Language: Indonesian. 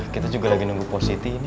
kita juga lagi nunggu pos siti ini